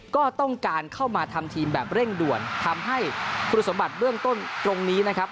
ก็ต้องการเข้ามาทำทีมแบบเร่งด่วนทำให้คุณสมบัติเบื้องต้นตรงนี้นะครับ